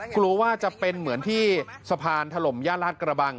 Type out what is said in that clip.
กลัวว่าจะเป็นเหมือนที่สะพานถล่มย่าลาดกระบัง